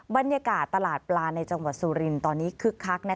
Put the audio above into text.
บรรยากาศตลาดปลาในจังหวัดสุรินทร์ตอนนี้คึกคัก